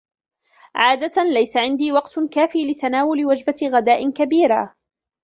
عادة، ليس عندي وقت كاف لتناول وجبة غداء كبيرة